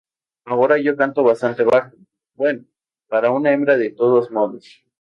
Ahora yo canto bastante bajo... bueno, para una hembra de todos modos.